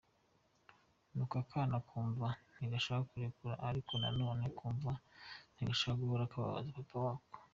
Ni uko akana kumva ntigashaka kukarekura ariko nanone kumva ntigashaka guhora kababaza papa wako.